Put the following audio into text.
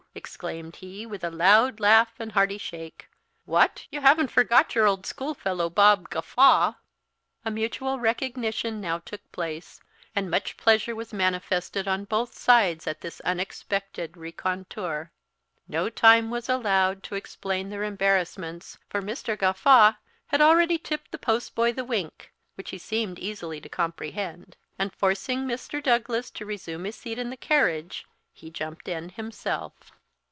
exclaimed he with a loud laugh and hearty shake. "'What! you haven't forgot your old schoolfellow Bob Gawffaw?" A mutual recognition now took place, and much pleasure was manifested on both sides at this unexpected rencontre. No time was allowed to explain their embarrassments, for Mr. Gawffaw had already tipped the post boy the wink (which he seemed easily to comprehend); and forcing Mr. Douglas to resume his seat in the carriage, he jumped in himself.